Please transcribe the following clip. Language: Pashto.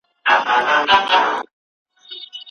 دا د رسول الله پيروي ده.